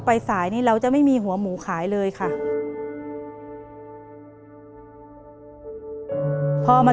เปลี่ยนเพลงเพลงเก่งของคุณและข้ามผิดได้๑คำ